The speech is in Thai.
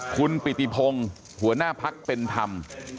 คุณปิติพงศ์หัวหน้าพักเป็นธรรม